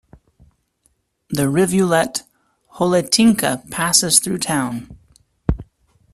The rivulet Holetínka passes through the town.